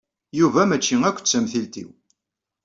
Yuba mačči akk d tamtilt-iw.